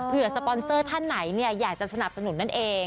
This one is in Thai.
เพื่อสปอนเซอร์ท่านไหนอยากจะสนับสนุนนั่นเอง